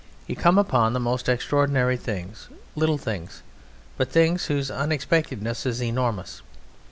You come upon the most extraordinary things: little things, but things whose unexpectedness is enormous.